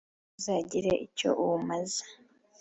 We uzagira icyo awumaza